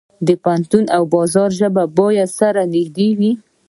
د پوهنتون او بازار ژبه باید سره نږدې وي.